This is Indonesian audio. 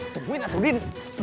tungguin aku din